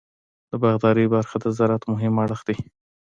د باغدارۍ برخه د زراعت مهم اړخ دی.